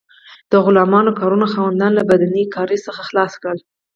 د غلامانو کارونو خاوندان له بدني کار څخه خلاص کړل.